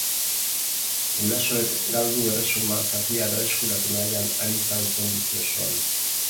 Gurasoek galdu erresuma zatia berreskuratu nahian ari izan zen bizi osoan.